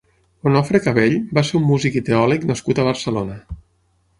Onofre Cabell va ser un músic i teòleg nascut a Barcelona.